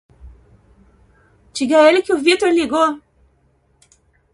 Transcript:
Diga a ele que o Vitor ligou.